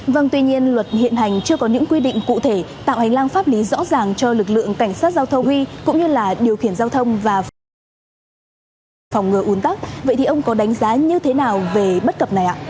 vâng tuy nhiên luật hiện hành chưa có những quy định cụ thể tạo hành lang pháp lý rõ ràng cho lực lượng cảnh sát giao thông huy cũng như là điều khiển giao thông và phòng ngừa ủn tác vậy thì ông có đánh giá như thế nào về bất cập này ạ